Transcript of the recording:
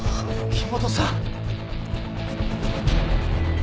木元さん！